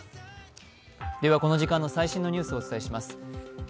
この時間の最新ニュースをお伝えします。